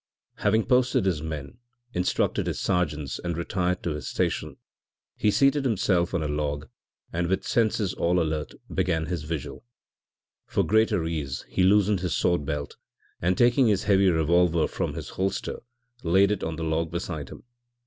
Having posted his men, instructed his sergeants and retired to his station, he seated himself on a log, and with senses all alert began his vigil. For greater ease he loosened his sword belt and taking his heavy revolver from his holster laid it on the log beside him.